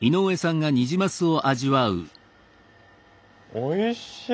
おいしい！